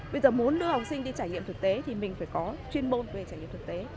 bây giờ muốn đưa học sinh đi trải nghiệm thực tế thì mình phải có chuyên môn về trải nghiệm thực tế